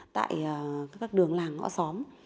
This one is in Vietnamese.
tại các đường làng ngõ xóm